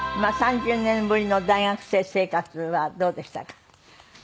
３０年ぶりの大学生生活はどうでしたか？